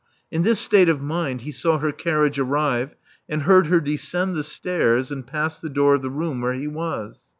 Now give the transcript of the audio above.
In this state of mind he saw her carriage arrive, and heard her descend the stains and pass the door of the room where he was.